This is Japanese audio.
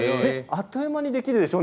あっという間にできるでしょ？